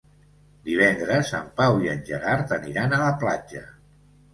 Divendres en Pau i en Gerard aniran a la platja.